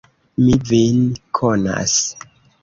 Mi vin konas.